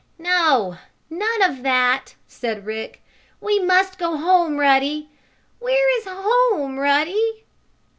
"No! None of that," said Rick. "We must go home, Ruddy. Where is home, Ruddy?"